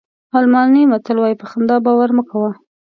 الماني متل وایي په خندا باور مه کوه.